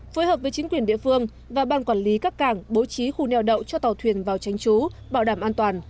phối hợp với chính quyền địa phương và ban quản lý các cảng bố trí khu neo đậu cho tàu thuyền vào tránh trú bảo đảm an toàn